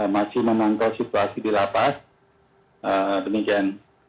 masih memantau situasi di lapas demikian